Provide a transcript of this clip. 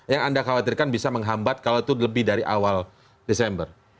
yang anda khawatirkan bisa menghambat kalau itu lebih dari awal desember